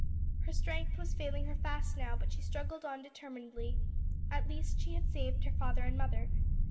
Her strength was failing her fast now, but she struggled on determinedly; at least she had saved her father and mother.